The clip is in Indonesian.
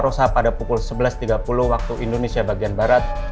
rosa pada pukul sebelas tiga puluh waktu indonesia bagian barat